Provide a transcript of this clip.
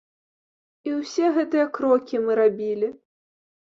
І ўсе гэтыя крокі мы рабілі.